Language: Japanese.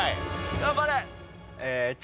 頑張れ！